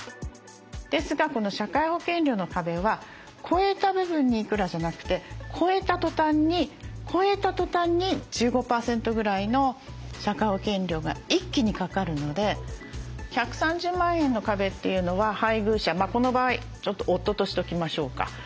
ですがこの社会保険料の壁は超えた部分にいくらじゃなくて超えたとたんに１５％ぐらいの社会保険料が一気にかかるので１３０万円の壁というのは配偶者この場合ちょっと夫としときましょうか。